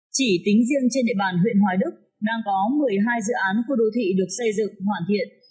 chỉ tính riêng trên địa bàn huyện hoài đức đang có một mươi hai dự án khu đô thị được xây dựng hoàn thiện